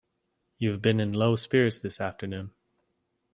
You've been in low spirits this afternoon.